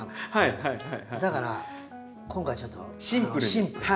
だから今回はちょっとシンプルに。